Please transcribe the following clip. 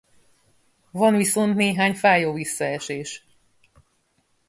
Van viszont néhány fájó visszaesés.